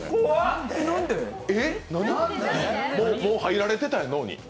もう入られてたんや、脳に。